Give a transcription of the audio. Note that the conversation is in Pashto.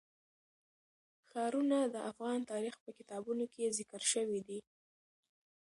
ښارونه د افغان تاریخ په کتابونو کې ذکر شوی دي.